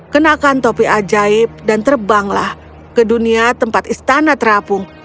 kenakan topi ajaib dan terbanglah ke dunia tempat istana terapung